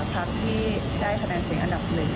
ที่ได้คะแนนเสียงอันดับหนึ่ง